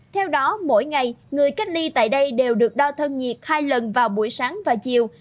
theo đó mỗi ngày người cách ly tại đây đều được đo thân nhiệt hai lần vào buổi sáng và chiều